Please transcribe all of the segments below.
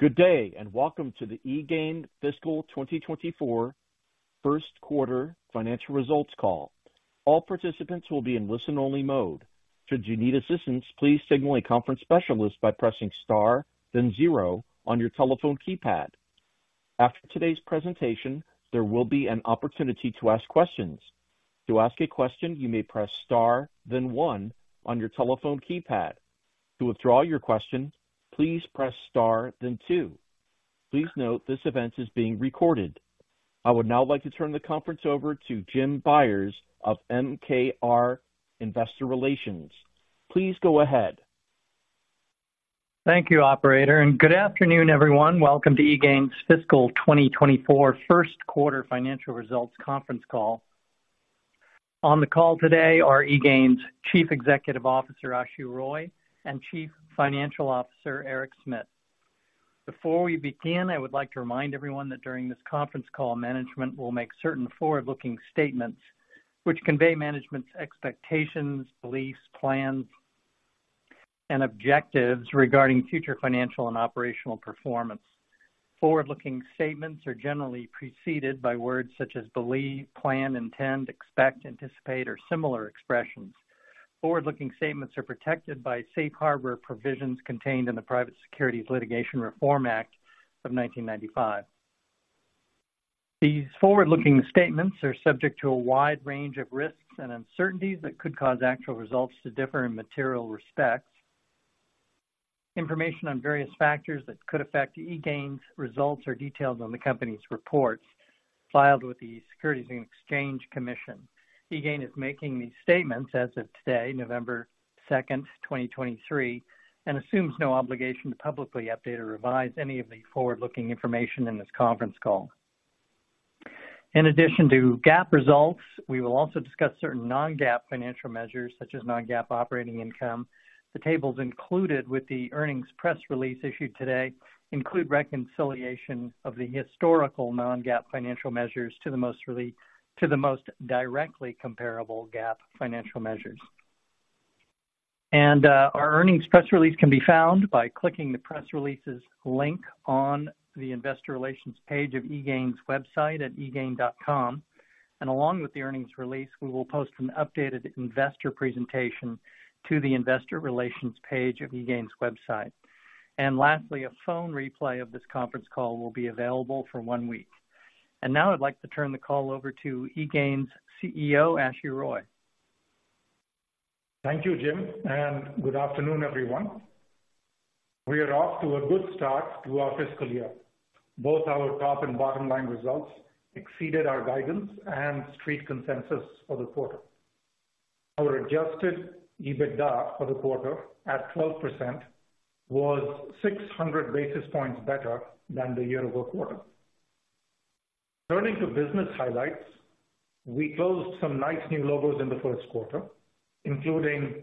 Good day, and welcome to the eGain Fiscal 2024 First Quarter Financial Results Call. All participants will be in listen-only mode. Should you need assistance, please signal a conference specialist by pressing star, then zero on your telephone keypad. After today's presentation, there will be an opportunity to ask questions. To ask a question, you may press star, then one on your telephone keypad. To withdraw your question, please press star, then two. Please note, this event is being recorded. I would now like to turn the conference over to Jim Byers of MKR Investor Relations. Please go ahead. Thank you, operator, and good afternoon, everyone. Welcome to eGain's Fiscal 2024 First Quarter Financial Results conference call. On the call today are eGain's Chief Executive Officer, Ashu Roy, and Chief Financial Officer, Eric Smit. Before we begin, I would like to remind everyone that during this conference call, management will make certain forward-looking statements which convey management's expectations, beliefs, plans, and objectives regarding future financial and operational performance. Forward-looking statements are generally preceded by words such as believe, plan, intend, expect, anticipate, or similar expressions. Forward-looking statements are protected by Safe Harbor provisions contained in the Private Securities Litigation Reform Act of 1995. These forward-looking statements are subject to a wide range of risks and uncertainties that could cause actual results to differ in material respects. Information on various factors that could affect eGain's results are detailed on the company's reports filed with the Securities and Exchange Commission. eGain is making these statements as of today, November 2nd, 2023, and assumes no obligation to publicly update or revise any of the forward-looking information in this conference call. In addition to GAAP results, we will also discuss certain non-GAAP financial measures, such as non-GAAP operating income. The tables included with the earnings press release issued today include reconciliation of the historical non-GAAP financial measures to the most directly comparable GAAP financial measures. And, our earnings press release can be found by clicking the Press Releases link on the Investor Relations page of eGain's website at egain.com. Along with the earnings release, we will post an updated investor presentation to the Investor Relations page of eGain's website. Lastly, a phone replay of this conference call will be available for one week. Now I'd like to turn the call over to eGain's CEO, Ashu Roy. Thank you, Jim, and good afternoon, everyone. We are off to a good start to our fiscal year. Both our top and bottom line results exceeded our guidance and Street consensus for the quarter. Our Adjusted EBITDA for the quarter, at 12%, was 600 basis points better than the year-over-quarter. Turning to business highlights, we closed some nice new logos in the first quarter, including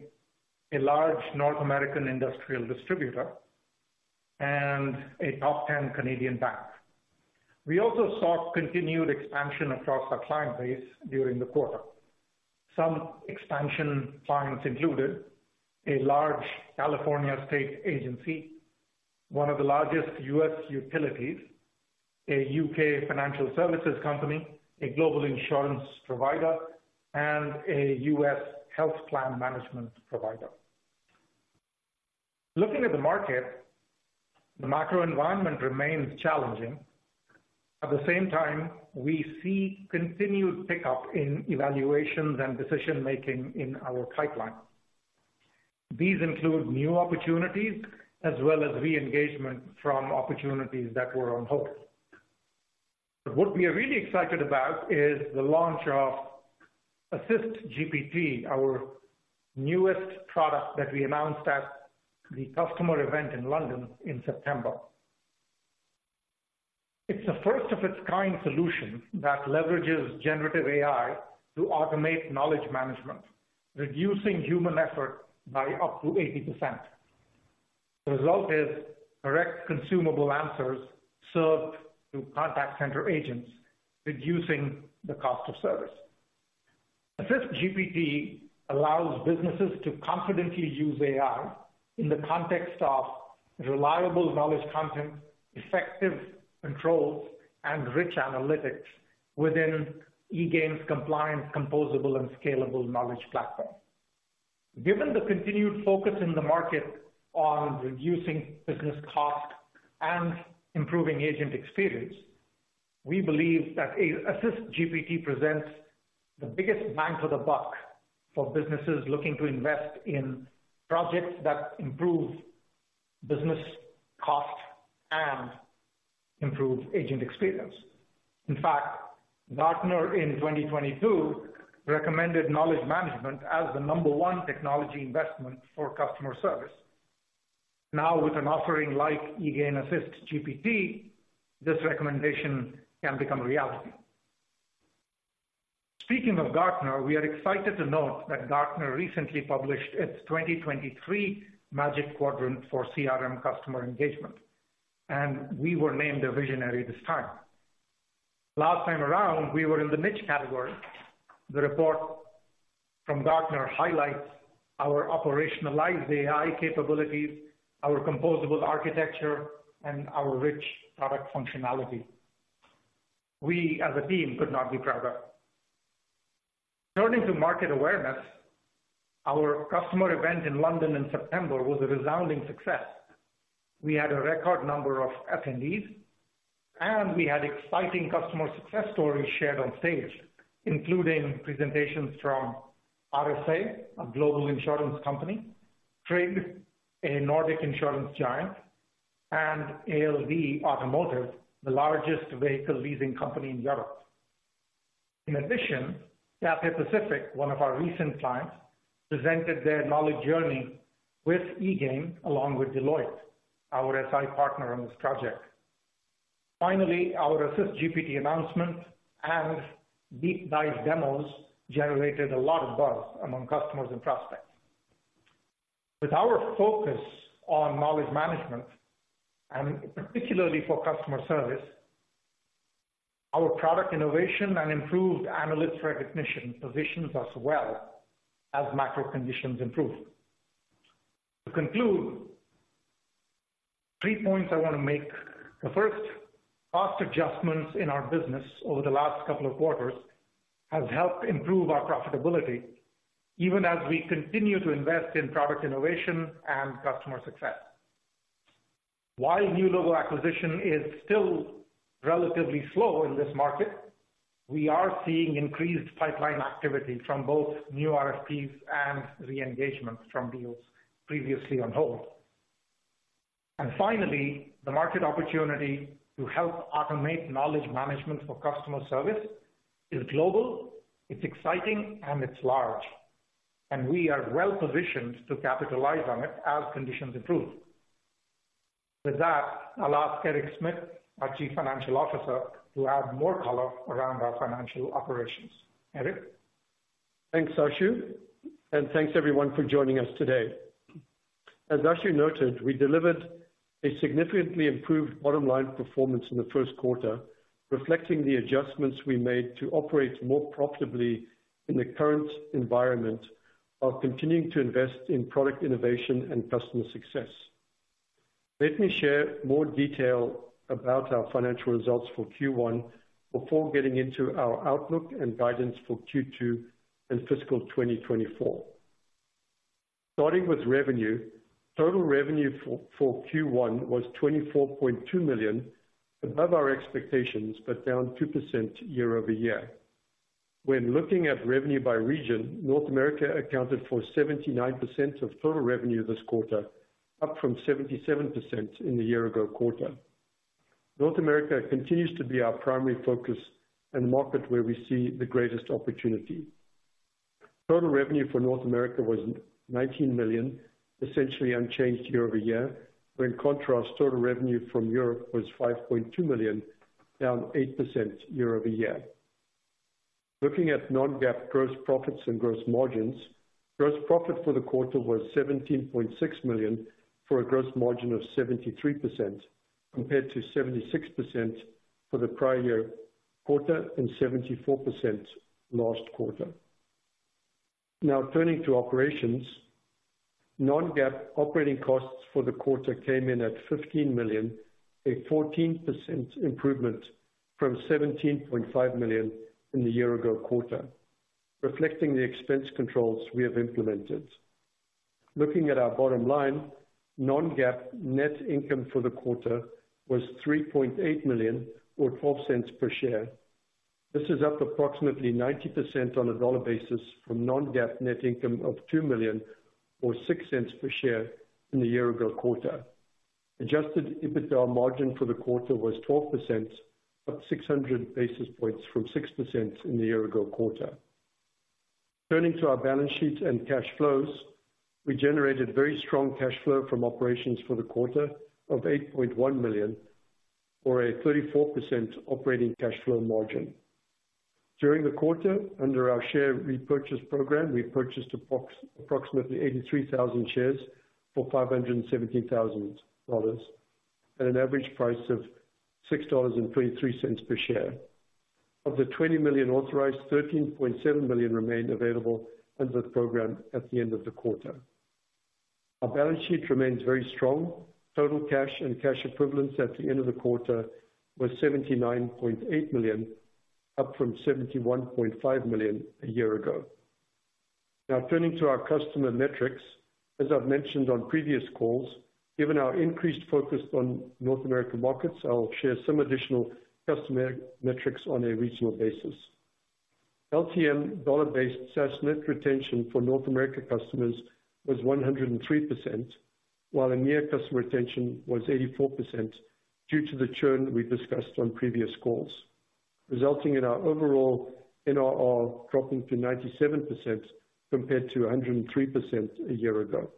a large North American industrial distributor and a top 10 Canadian bank. We also saw continued expansion across our client base during the quarter. Some expansion clients included a large California state agency, one of the largest U.S. utilities, a U.K. financial services company, a global insurance provider, and a U.S. health plan management provider. Looking at the market, the macro environment remains challenging. At the same time, we see continued pickup in evaluations and decision-making in our pipeline. These include new opportunities as well as re-engagement from opportunities that were on hold. But what we are really excited about is the launch of AssistGPT, our newest product that we announced at the customer event in London in September. It's a first-of-its-kind solution that leverages generative AI to automate knowledge management, reducing human effort by up to 80%. The result is direct, consumable answers served to contact center agents, reducing the cost of service. AssistGPT allows businesses to confidently use AI in the context of reliable knowledge content, effective controls, and rich analytics within eGain's compliance, composable, and scalable knowledge platform. Given the continued focus in the market on reducing business cost and improving agent experience, we believe that AssistGPT presents the biggest bang for the buck for businesses looking to invest in projects that improve business cost and improve agent experience. In fact, Gartner in 2022 recommended knowledge management as the number one technology investment for customer service. Now, with an offering like eGain AssistGPT, this recommendation can become a reality. Speaking of Gartner, we are excited to note that Gartner recently published its 2023 Magic Quadrant for CRM Customer Engagement, and we were named a visionary this time. Last time around, we were in the niche category. The report from Gartner highlights our operationalized AI capabilities, our composable architecture, and our rich product functionality. We, as a team, could not be prouder. Turning to market awareness, our customer event in London in September was a resounding success. We had a record number of attendees, and we had exciting customer success stories shared on stage, including presentations from RSA, a global insurance company, Tryg, a Nordic insurance giant, and ALD Automotive, the largest vehicle leasing company in Europe. In addition, Cathay Pacific, one of our recent clients, presented their knowledge journey with eGain, along with Deloitte, our SI partner on this project. Finally, our AssistGPT announcement and deep dive demos generated a lot of buzz among customers and prospects. With our focus on knowledge management, and particularly for customer service, our product innovation and improved analytics recognition positions us well as macro conditions improve. To conclude, three points I want to make. The first, cost adjustments in our business over the last couple of quarters has helped improve our profitability, even as we continue to invest in product innovation and customer success. While new logo acquisition is still relatively slow in this market, we are seeing increased pipeline activity from both new RFPs and re-engagement from deals previously on hold. Finally, the market opportunity to help automate knowledge management for customer service is global, it's exciting, and it's large, and we are well positioned to capitalize on it as conditions improve. With that, I'll ask Eric Smit, our Chief Financial Officer, to add more color around our financial operations. Eric? Thanks, Ashu, and thanks everyone for joining us today. As Ashu noted, we delivered a significantly improved bottom line performance in the first quarter, reflecting the adjustments we made to operate more profitably in the current environment, while continuing to invest in product innovation and customer success. Let me share more detail about our financial results for Q1 before getting into our outlook and guidance for Q2 and fiscal 2024. Starting with revenue, total revenue for Q1 was $24.2 million, above our expectations, but down 2% year-over-year. When looking at revenue by region, North America accounted for 79% of total revenue this quarter, up from 77% in the year ago quarter. North America continues to be our primary focus and market where we see the greatest opportunity. Total revenue for North America was 19 million, essentially unchanged year-over-year, where in contrast, total revenue from Europe was $5.2 million, down 8% year-over-year. Looking at non-GAAP gross profits and gross margins, gross profit for the quarter was $17.6 million, for a gross margin of 73%, compared to 76% for the prior year quarter, and 74% last quarter. Now, turning to operations. Non-GAAP operating costs for the quarter came in at $15 million, a 14% improvement from $17.5 million in the year ago quarter, reflecting the expense controls we have implemented. Looking at our bottom line, non-GAAP net income for the quarter was $3.8 million, or $0.12 per share. This is up approximately 90% on a dollar basis from non-GAAP net income of $2 million, or $0.06 per share in the year ago quarter. Adjusted EBITDA margin for the quarter was 12%, up 600 basis points from 6% in the year ago quarter. Turning to our balance sheet and cash flows, we generated very strong cash flow from operations for the quarter of $8.1 million, or a 34% operating cash flow margin. During the quarter, under our share repurchase program, we purchased approximately 83,000 shares for $517,000, at an average price of $6.23 per share. Of the $20 million authorized, $13.7 million remained available under the program at the end of the quarter. Our balance sheet remains very strong. Total cash and cash equivalents at the end of the quarter was $79.8 million, up from $71.5 million a year ago. Now, turning to our customer metrics. As I've mentioned on previous calls, given our increased focus on North American markets, I'll share some additional customer metrics on a regional basis. LTM dollar-based SaaS net retention for North America customers was 103%, while the EMEA customer retention was 84%, due to the churn we've discussed on previous calls, resulting in our overall NRR dropping to 97%, compared to 103% a year ago.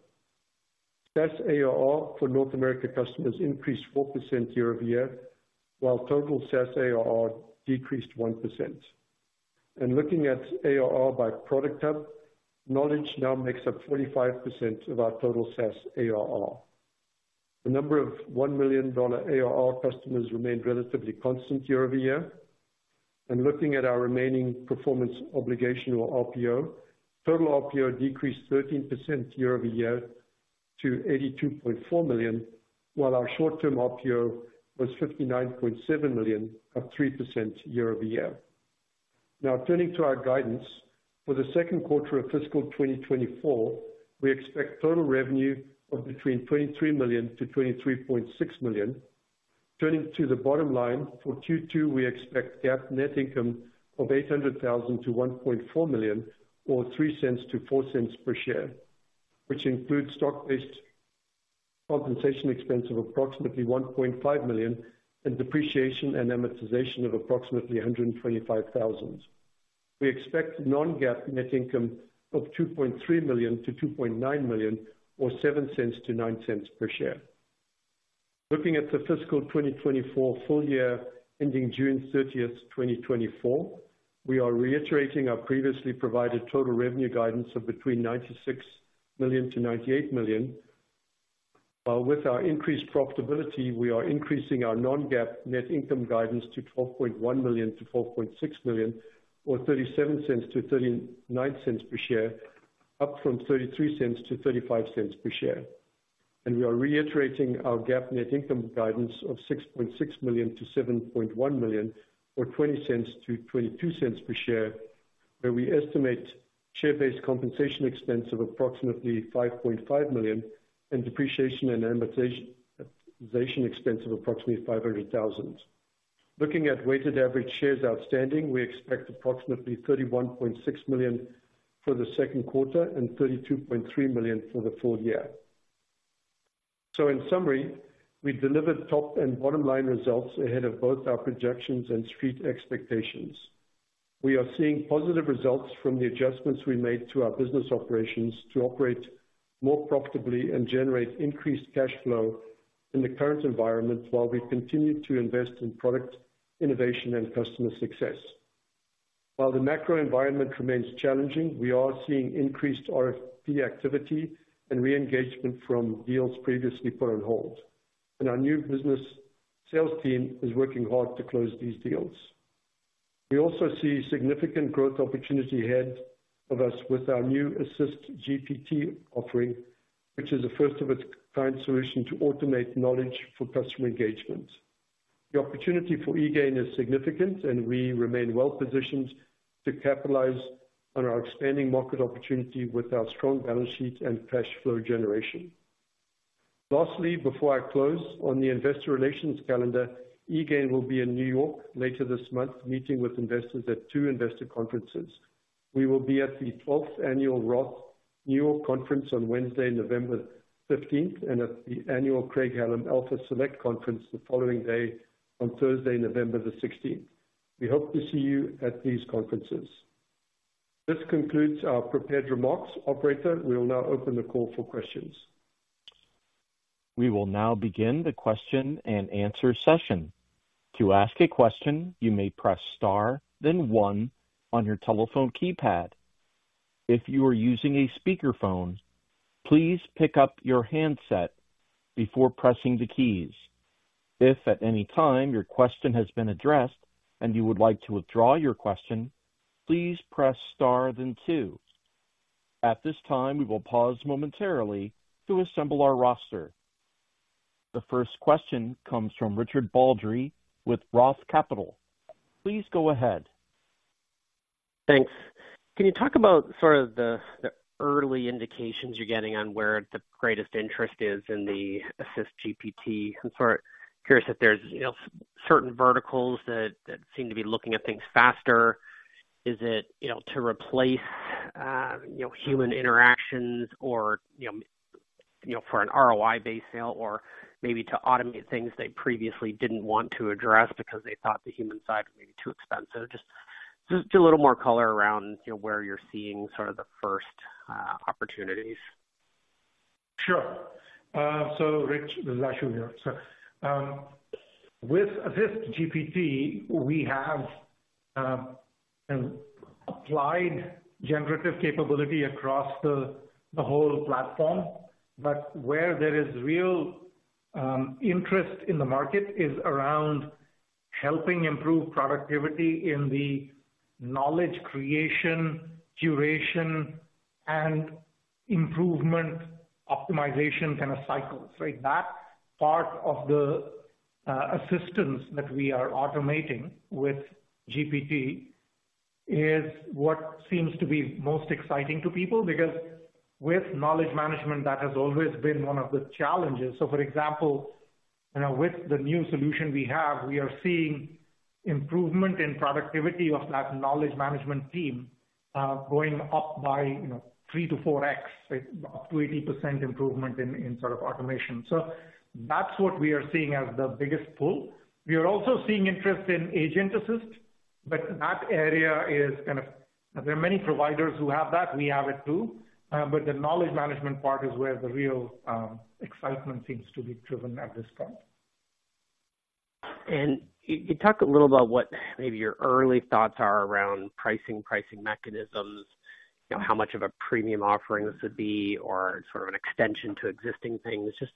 SaaS ARR for North America customers increased 4% year-over-year, while total SaaS ARR decreased 1%. Looking at ARR by product hub, knowledge now makes up 45% of our total SaaS ARR. The number of $1 million ARR customers remained relatively constant year-over-year. Looking at our remaining performance obligation or RPO, total RPO decreased 13% year-over-year to $82.4 million, while our short-term RPO was $59.7 million, up 3% year-over-year. Now, turning to our guidance. For the second quarter of fiscal 2024, we expect total revenue of between $23 million-$23.6 million. Turning to the bottom line, for Q2, we expect GAAP net income of $800,000-$1.4 million, or $0.03-$0.04 per share, which includes stock-based compensation expense of approximately $1.5 million and depreciation and amortization of approximately $125,000. We expect non-GAAP net income of $2.3 million-$2.9 million, or $0.07-$0.09 per share. Looking at the fiscal 2024 full year, ending June 30, 2024, we are reiterating our previously provided total revenue guidance of between $96 million-$98 million. With our increased profitability, we are increasing our non-GAAP net income guidance to $12.1 million-$12.6 million, or $0.37-$0.39 per share, up from $0.33-$0.35 per share. We are reiterating our GAAP net income guidance of $6.6 million-$7.1 million, or $0.20-$0.22 per share, where we estimate share-based compensation expense of approximately $5.5 million and depreciation and amortization expense of approximately $500,000. Looking at weighted average shares outstanding, we expect approximately 31.6 million for the second quarter and 32.3 million for the full year. So in summary, we delivered top and bottom line results ahead of both our projections and Street expectations. We are seeing positive results from the adjustments we made to our business operations to operate more profitably and generate increased cash flow in the current environment, while we continue to invest in product innovation and customer success. While the macro environment remains challenging, we are seeing increased RFP activity and re-engagement from deals previously put on hold, and our new business sales team is working hard to close these deals. We also see significant growth opportunity ahead of us with our new AssistGPT offering, which is a first of its kind solution to automate knowledge for customer engagement. The opportunity for eGain is significant, and we remain well positioned to capitalize on our expanding market opportunity with our strong balance sheet and cash flow generation. Lastly, before I close, on the investor relations calendar, eGain will be in New York later this month, meeting with investors at two investor conferences. We will be at the 12th Annual Roth New York Conference on Wednesday, November 15th, and at the annual Craig-Hallum Alpha Select Conference the following day on Thursday, November 16th. We hope to see you at these conferences. This concludes our prepared remarks. Operator, we will now open the call for questions. We will now begin the question and answer session. To ask a question, you may press star then one on your telephone keypad. If you are using a speakerphone, please pick up your handset before pressing the keys. If at any time your question has been addressed and you would like to withdraw your question, please press star then two. At this time, we will pause momentarily to assemble our roster. The first question comes from Richard Baldry with Roth Capital. Please go ahead. Thanks. Can you talk about sort of the early indications you're getting on where the greatest interest is in the AssistGPT? I'm sort of curious if there's, you know, certain verticals that seem to be looking at things faster. Is it, you know, to replace, you know, human interactions or, you know, for an ROI-based sale, or maybe to automate things they previously didn't want to address because they thought the human side was maybe too expensive? Just a little more color around, you know, where you're seeing sort of the first opportunities. Sure. So Rich, this is Ashu here. So, with AssistGPT, we have applied generative capability across the whole platform. But where there is real interest in the market is around helping improve productivity in the knowledge creation, curation, and improvement, optimization kind of cycles, right? That part of the assistance that we are automating with GPT is what seems to be most exciting to people, because with knowledge management, that has always been one of the challenges. So, for example, you know, with the new solution we have, we are seeing improvement in productivity of that knowledge management team going up by, you know, 3-4x, right? Up to 80% improvement in sort of automation. So that's what we are seeing as the biggest pull. We are also seeing interest in agent assist, but that area is kind of... There are many providers who have that. We have it too, but the knowledge management part is where the real excitement seems to be driven at this point. And you talk a little about what maybe your early thoughts are around pricing mechanisms, you know, how much of a premium offering this would be, or sort of an extension to existing things, just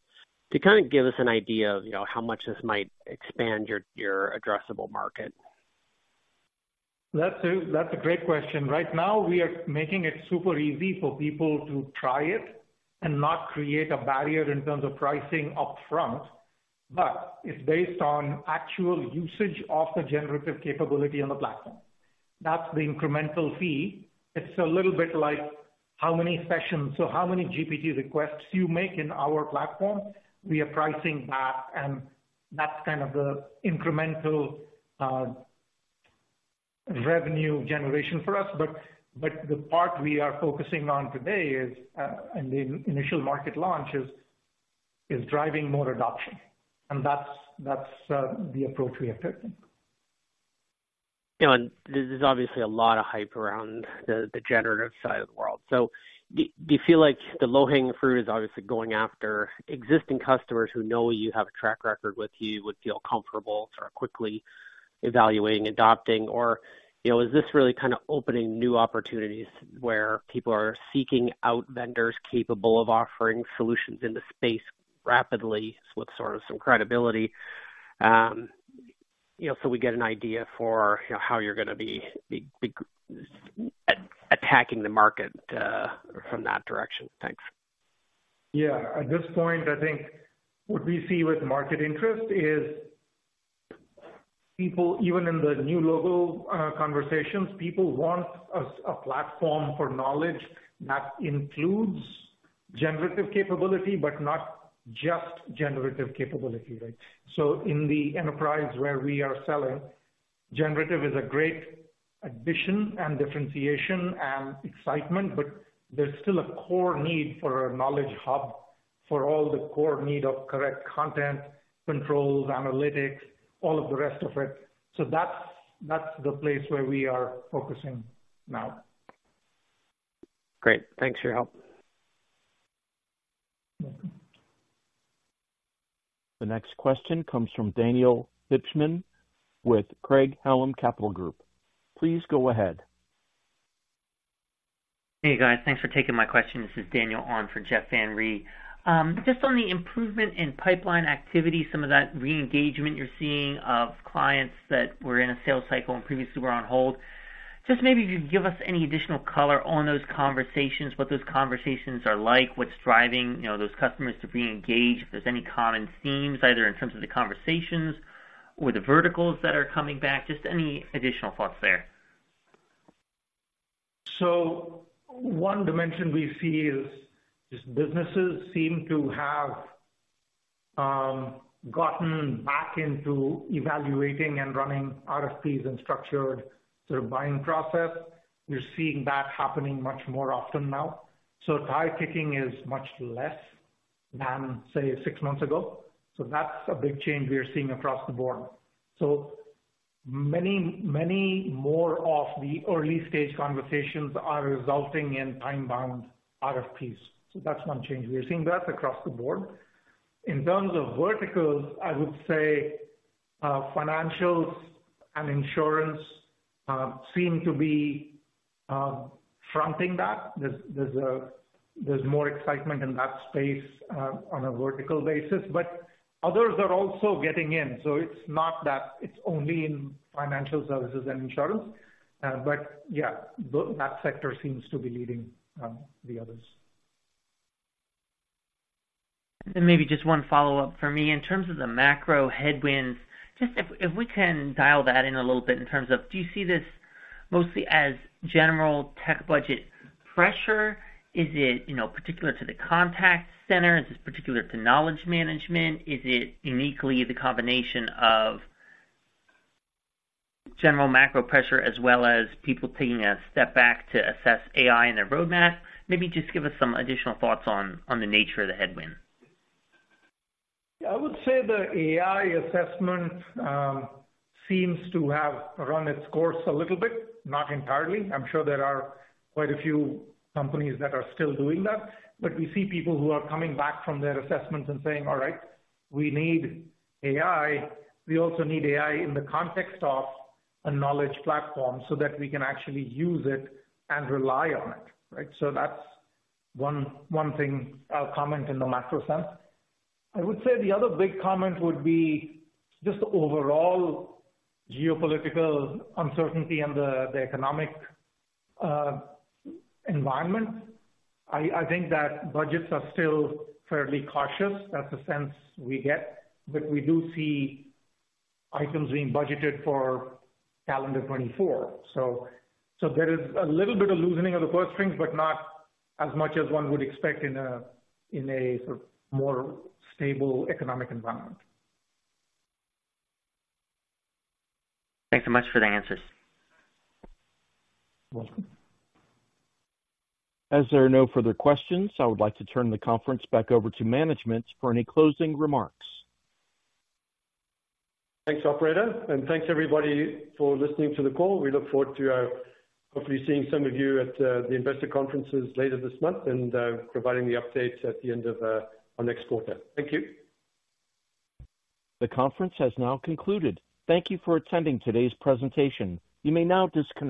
to kind of give us an idea of, you know, how much this might expand your addressable market. That's a great question. Right now, we are making it super easy for people to try it and not create a barrier in terms of pricing up front, but it's based on actual usage of the generative capability on the platform. That's the incremental fee. It's a little bit like, how many sessions, so how many GPT requests you make in our platform, we are pricing that, and that's kind of the incremental, revenue generation for us. But the part we are focusing on today is, and the initial market launch is driving more adoption, and that's the approach we are taking. You know, and there's obviously a lot of hype around the generative side of the world. So do you feel like the low-hanging fruit is obviously going after existing customers who know you, have a track record with you, would feel comfortable sort of quickly evaluating, adopting, or, you know, is this really kind of opening new opportunities where people are seeking out vendors capable of offering solutions in the space rapidly with sort of some credibility? You know, so we get an idea for, you know, how you're gonna be attacking the market from that direction. Thanks. Yeah. At this point, I think what we see with market interest is people, even in the new logo, conversations, people want a, a platform for knowledge that includes generative capability, but not just generative capability, right? So in the enterprise where we are selling, generative is a great addition and differentiation and excitement, but there's still a core need for a knowledge hub, for all the core need of correct content, controls, analytics, all of the rest of it. So that's, that's the place where we are focusing now. Great. Thanks for your help. Welcome. The next question comes from Daniel Hibshman, with Craig-Hallum Capital Group. Please go ahead. Hey, guys. Thanks for taking my question. This is Daniel on for Jeff Van Rhee. Just on the improvement in pipeline activity, some of that reengagement you're seeing of clients that were in a sales cycle and previously were on hold. Just maybe if you could give us any additional color on those conversations, what those conversations are like, what's driving, you know, those customers to reengage, if there's any common themes, either in terms of the conversations or the verticals that are coming back, just any additional thoughts there. So one dimension we see is businesses seem to have gotten back into evaluating and running RFPs and structured sort of buying process. We're seeing that happening much more often now. So tire kicking is much less than, say, six months ago. So that's a big change we are seeing across the board. So many, many more of the early stage conversations are resulting in time-bound RFPs. So that's one change. We are seeing that across the board. In terms of verticals, I would say, financials and insurance seem to be fronting that. There's more excitement in that space, on a vertical basis, but others are also getting in, so it's not that it's only in financial services and insurance, but yeah, that sector seems to be leading the others. And then maybe just one follow-up for me. In terms of the macro headwinds, just if we can dial that in a little bit in terms of, do you see this mostly as general tech budget pressure? Is it, you know, particular to the contact center? Is this particular to knowledge management? Is it uniquely the combination of general macro pressure, as well as people taking a step back to assess AI and their roadmap? Maybe just give us some additional thoughts on the nature of the headwind. Yeah, I would say the AI assessment seems to have run its course a little bit, not entirely. I'm sure there are quite a few companies that are still doing that, but we see people who are coming back from their assessments and saying, "All right, we need AI. We also need AI in the context of a knowledge platform, so that we can actually use it and rely on it." Right? So that's one, one thing I'll comment in the macro sense. I would say the other big comment would be just the overall geopolitical uncertainty and the economic environment. I think that budgets are still fairly cautious. That's the sense we get, but we do see items being budgeted for calendar 2024. So, so there is a little bit of loosening of the purse strings, but not as much as one would expect in a, in a sort of more stable economic environment. Thanks so much for the answers. Welcome. As there are no further questions, I would like to turn the conference back over to management for any closing remarks. Thanks, operator, and thanks everybody for listening to the call. We look forward to hopefully seeing some of you at the investor conferences later this month and providing the updates at the end of our next quarter. Thank you. The conference has now concluded. Thank you for attending today's presentation. You may now disconnect.